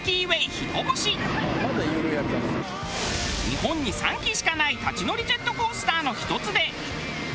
日本に３基しかない立ち乗りジェットコースターの１つで。